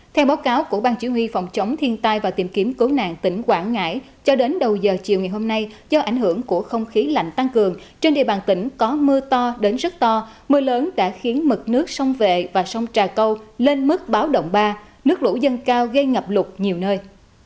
theo báo cáo của bang chỉ huy phòng chống thiên tai và tìm kiếm cứu nạn tỉnh quảng ngãi cho đến đầu giờ chiều ngày hôm nay do ảnh hưởng của không khí lạnh tăng cường trên địa bàn tỉnh có mưa to đến rất to mưa lớn đã khiến mực nước sông vệ và sông trà câu lên mức báo động ba nước lũ dâng cao gây ngập lụt nhiều nơi